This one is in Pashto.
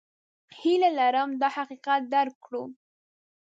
هیله لرم دا حقیقت درک کړو.